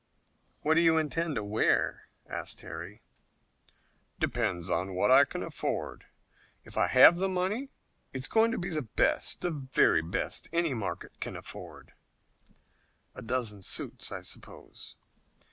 "What do you intend to wear?" asked Harry. "Depends upon what I can afford. If I have the money, it's going to be the best, the very best any market can afford." "A dozen suits, I suppose."